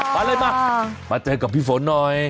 ไปเลยมามาเจอกับพี่ฝนหน่อย